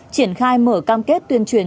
triển khai mở cam kết tuyên truyền